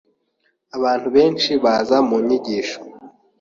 Abantu benshi baza mu nyigisho.